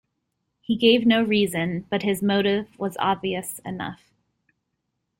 He gave no reason, but his motive was obvious enough.